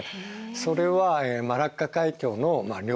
それはマラッカ海峡の両側